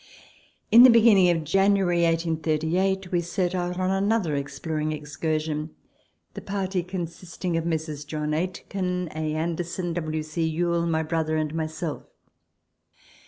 In the beginning of January 1838, we set out on another exploring excursion, the party consisting of Messrs. John Aitken, A. Anderson, W. C. Yuille, my brother, and myself.